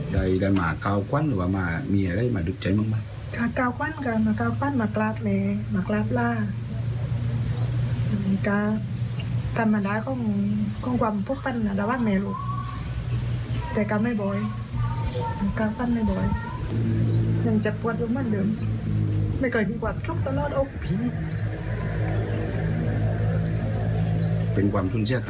ตรวจใข่สินค้า